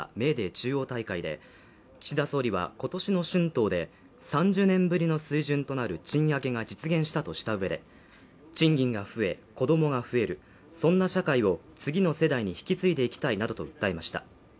中央大会で岸田総理は、今年の春闘で、３０年ぶりの水準となる賃上げが実現したとした上で、賃金が増え、子供が増える、そんな社会を次の世代に引き継いでいきたいなどと訴えました。